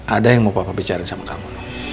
ada yang mau papa bicarain sama kamu